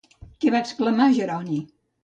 Què va exclamar Jeroni?